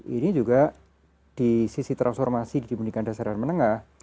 ini juga di sisi transformasi di pendidikan dasar menengah